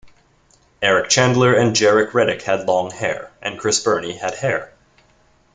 Erik Chandler and Jaret Reddick had long hair, and Chris Burney had hair.